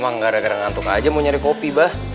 emang gara gara ngantuk aja mau nyari kopi bah